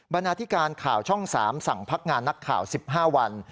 นาธิการข่าวช่อง๓สั่งพักงานนักข่าว๑๕วัน